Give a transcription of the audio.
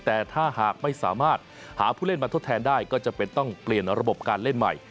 แต่ถ้าหากไม่สามารถหาผู้เล่นมาทดแทนได้ก็จำเป็นต้องเปลี่ยนระบบการเล่นใหม่